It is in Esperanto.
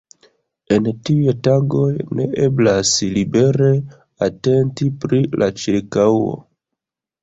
En tiuj tagoj, ne eblas libere atenti pri la ĉirkaŭo.